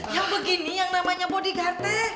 yang begini yang namanya bodyguard